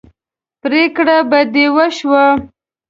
پرېکړه په دې وشوه.